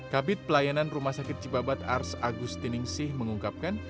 kabit pelayanan rumah sakit cibabat ars agustiningsih mengungkapkan